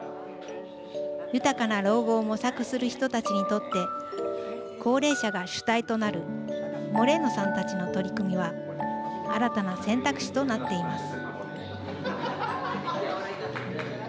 豊かな老後を模索する人たちにとって高齢者が主体となるモレーノさんたちの取り組みは新たな選択肢となっています。